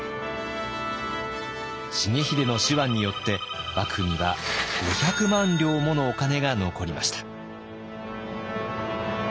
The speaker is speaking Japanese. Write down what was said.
重秀の手腕によって幕府には５００万両ものお金が残りました。